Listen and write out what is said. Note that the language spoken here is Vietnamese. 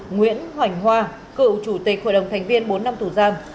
nguyễn hoành hoa cựu chủ tịch hội đồng thành viên bốn năm tù giam